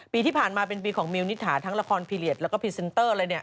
ปีที่ผ่านมาเป็นปีของมิวนิษฐาทั้งละครพีเรียสแล้วก็พรีเซนเตอร์อะไรเนี่ย